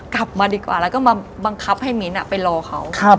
กลับมาดีกว่าแล้วก็มาบังคับให้มิ้นไปรอเขา